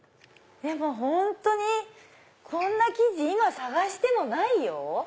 本当にこんな生地今探してもないよ。